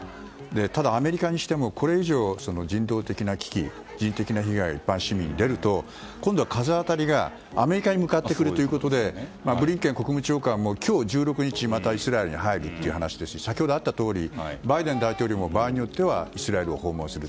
ただ、アメリカにしてもこれ以上、人道的な危機人的な被害が一般市民に出ると今度は風当たりがアメリカに向かってくるということでブリンケン国務長官も今日１６日またイスラエルに入るという話ですし先ほどあったとおりバイデン大統領も場合によってはイスラエルを訪問する。